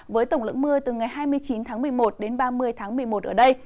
với tổng lượng mưa từ ngày hai mươi chín tháng một mươi một đến ba mươi tháng một mươi một ở đây